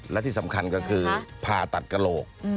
และที่สำคัญก็คือผ่าตัดกระโหลก